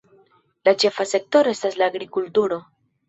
La ĉefa sektoro estas la agrikulturo.